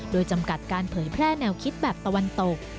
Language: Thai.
โดยจำกัดการเผยแพร่แนวคิดแบบตะวันตก